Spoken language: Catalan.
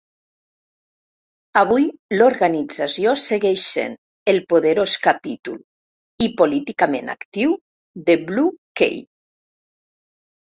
Avui, l'organització segueix sent el poderós capítol i políticament actiu de Blue Key.